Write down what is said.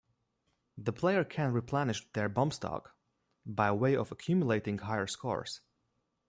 The player can replenish their bomb stock by way of accumulating higher scores.